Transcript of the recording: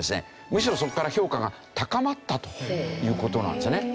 むしろそこから評価が高まったという事なんですよね。